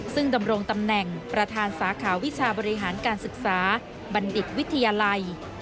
ซึ่งดำรงตำแหน่งประธานสาขาวิชาบริหารการศึกษาบัณฑิตวิทยาลัย